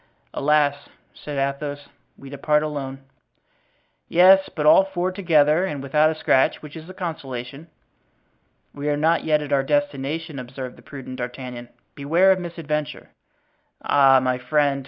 "Alas," said Athos, "we depart alone." "Yes; but all four together and without a scratch; which is a consolation." "We are not yet at our destination," observed the prudent D'Artagnan; "beware of misadventure." "Ah, my friend!"